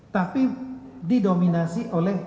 tapi didominasi oleh sma